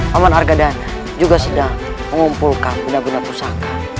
paman arga dana juga sedang mengumpulkan benda benda pusaka